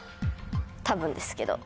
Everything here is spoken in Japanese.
多分ですけど。